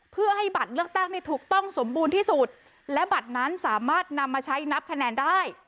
เพื่อให้บัตรเลือกตั้งนี่ถูกต้องสมบูรณ์ที่สุดและบัตรนั้นสามารถนำมาใช้นับคะแนนได้